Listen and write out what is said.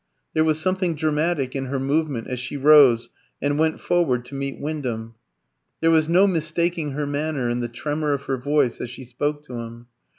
There was something dramatic in her movement as she rose and went forward to meet Wyndham. There was no mistaking her manner and the tremor of her voice as she spoke to him.